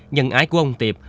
nhân ái của ông tiệp